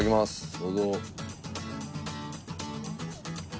どうぞ。